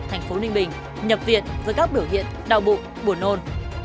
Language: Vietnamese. thành phố ninh bình nhập viện với các biểu hiện đau bụng buồn nôn